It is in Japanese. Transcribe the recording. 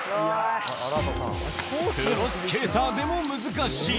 プロスケーターでも難しい。